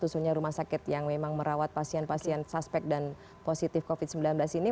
khususnya rumah sakit yang memang merawat pasien pasien suspek dan positif covid sembilan belas ini